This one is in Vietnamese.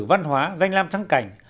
văn hóa danh làm thắng cảnh